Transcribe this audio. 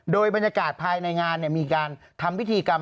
โดยบรรยากาศภายในงานมีการทำพิธีกรรม